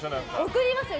送りますよ